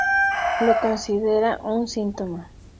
Lo considera un síntoma.